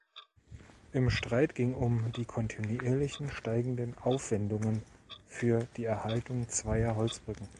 Im Streit ging um die kontinuierlichen steigenden Aufwendungen für die Erhaltung zweier Holzbrücken.